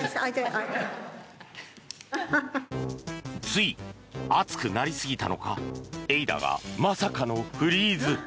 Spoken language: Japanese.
つい、熱くなりすぎたのかＡｉ−Ｄａがまさかのフリーズ。